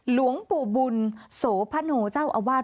หลวงปู่บุญโสพโนเจ้าอาวาส